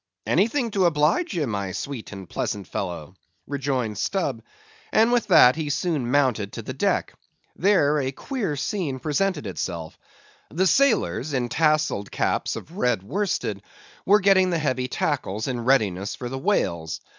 "Anything to oblige ye, my sweet and pleasant fellow," rejoined Stubb, and with that he soon mounted to the deck. There a queer scene presented itself. The sailors, in tasselled caps of red worsted, were getting the heavy tackles in readiness for the whales.